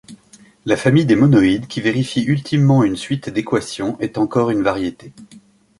La famille des monoïdes qui vérifient ultimement une suite d'équations est encore une variété.